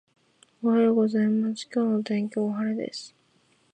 おはようございます、今日の天気は晴れです。